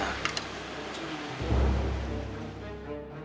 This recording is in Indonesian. sampai jumpa di webisode selanjutnya